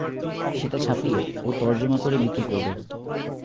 সেটা ছাপিয়ে ও তর্জমা করে বিক্রী করবে।